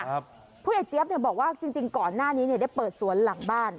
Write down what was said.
ผู้ใหญ่เจี๊ยบเนี่ยบอกว่าจริงจริงก่อนหน้านี้เนี่ยได้เปิดสวนหลังบ้าน